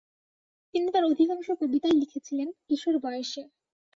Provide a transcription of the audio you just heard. তিনি তার অধিকাংশ কবিতাই লিখেছিলেন কিশোর বয়সে।